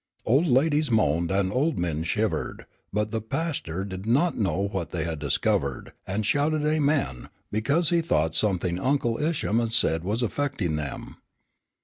Old ladies moaned and old men shivered, but the pastor did not know what they had discovered, and shouted Amen, because he thought something Uncle Isham had said was affecting them.